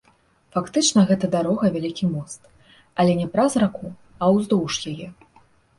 Фактычна гэта дарога вялікі мост, але не праз раку а ўздоўж яе.